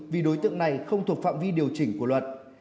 vì đối tượng này không thuộc phạm vi điều chỉnh của luật